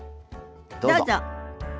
どうぞ。